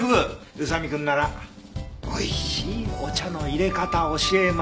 宇佐見くんなら「おいしいお茶の淹れ方教えます」だよね。